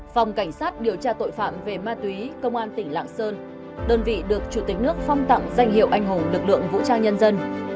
phòng cảnh sát điều tra tội phạm về ma túy công an tỉnh lạng sơn đơn vị được chủ tịch nước phong tặng danh hiệu anh hùng lực lượng vũ trang nhân dân